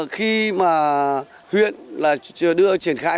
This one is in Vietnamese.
khi mà huyện đưa triển khai nông thôn